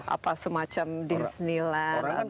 apa semacam disneyland